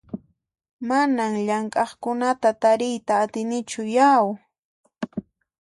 Manan llamk'aqkunata tariyta atinichu yau!